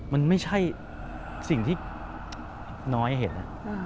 มันไม่ใช่สิ่งที่น้อยเห็น